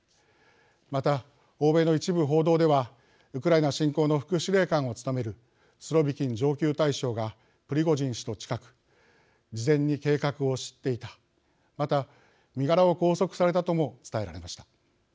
また欧米の一部報道ではウクライナ侵攻の副司令官を務めるスロビキン上級大将がプリゴジン氏と近く事前に計画を知っていたまた身柄を拘束されたとも伝えられました。